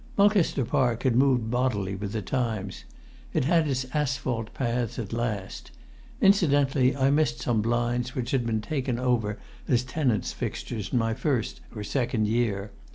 Mulcaster Park had moved bodily with the times. It had its asphalt paths at last. Incidentally I missed some blinds which had been taken over as tenant's fixtures in my first or second year.